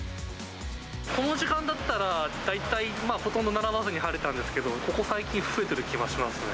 この時間だったら、大体、ほとんど並ばずに入れたんですけど、ここ最近、増えている気がしますね。